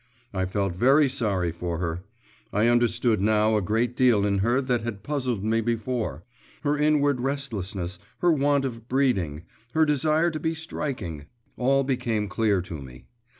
I felt very sorry for her. I understood now a great deal in her that had puzzled me before; her inward restlessness, her want of breeding, her desire to be striking all became clear to me.